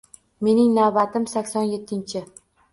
Mening navbatim sakson yettinchi